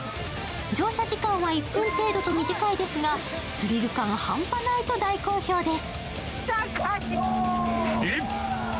乗車時間は１分程度と短いですが、スリル感はハンパないと大好評です。